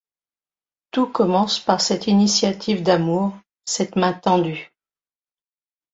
Tout commence par cette initiative d'amour, cette main tendue.